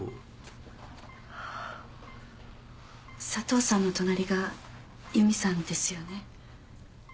佐藤さんの隣が由美さんですよね？